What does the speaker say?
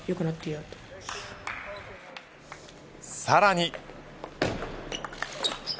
さらに。